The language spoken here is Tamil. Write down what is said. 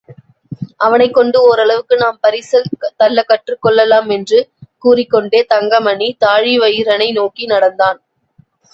அவனைக்கொண்டு ஓரளவுக்கு நாம் பரிசல் தள்ளக் கற்றுக்கொள்ளலாம் என்று கூறிக்கொண்டே தங்கமணி தாழிவயிறனை நோக்கி நடந்தான்.